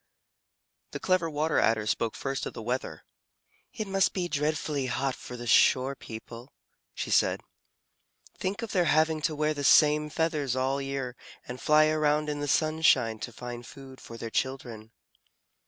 The Clever Water Adder spoke first of the weather. "It must be dreadfully hot for the shore people," she said. "Think of their having to wear the same feathers all the year and fly around in the sunshine to find food for their children."